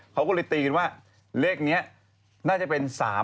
เขาก็เลยตีกันว่าเลขนี้น่าจะเป็น๓๓